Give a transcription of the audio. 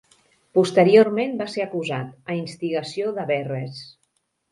Posteriorment va ser acusat, a instigació de Verres.